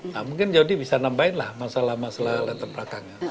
nah mungkin jody bisa nambahin lah masalah masalah latar belakangnya